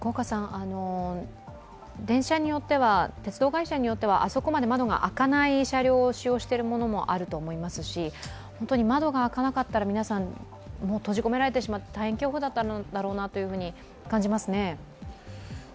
電車によっては鉄道会社によってはあそこまで窓が開かない車両を使用していることもありますし窓が開かなかったら皆さん閉じ込められてしまって大変恐怖だっただろうなと感じますね。